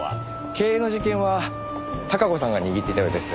経営の実権は孝子さんが握っていたようです。